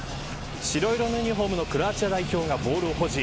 白色のユニホームのクロアチア代表がボールを保持。